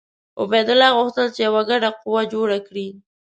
عبیدالله غوښتل چې یوه ګډه قوه جوړه کړي.